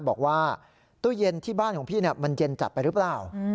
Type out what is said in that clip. บอกว่าตู้เย็นที่บ้านของพี่มันเย็นจัดไปหรือเปล่า